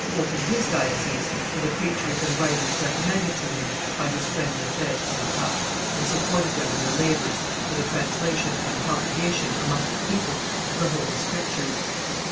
opened his diocese to the preachers and writers recommended to him by his friend Lefevre of Staples, and supported them in their labors for the translation and propagation, amongst the people, of the Holy Scriptures.